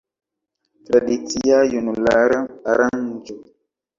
Tradicia junulara aranĝo.